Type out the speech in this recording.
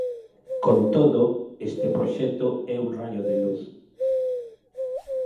Con todo, este proxecto é un raio de luz.